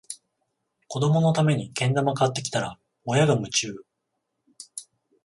子どものためにけん玉買ってきたら、親が夢中